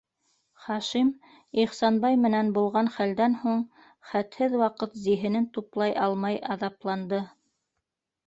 Хашим Ихсанбай менән булған хәлдән һуң хәтһеҙ ваҡыт зиһенен туплай алмай аҙапланды.